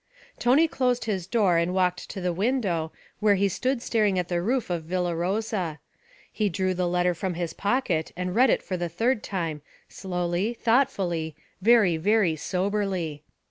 Tony closed his door and walked to the window, where he stood staring at the roof of Villa Rosa. He drew the letter from his pocket and read it for the third time slowly, thoughtfully, very, very soberly.